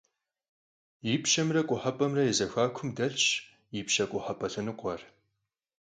Yipşemre khuhep'emre ya zexuakum delhş yipşe - khuhep'e lhenıkhuer.